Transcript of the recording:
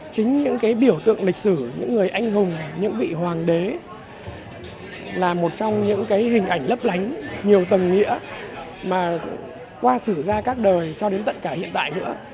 chính những biểu tượng lịch sử những người anh hùng những vị hoàng đế là một trong những hình ảnh lấp lánh nhiều tầng nghĩa mà qua sử ra các đời cho đến tận cả hiện tại nữa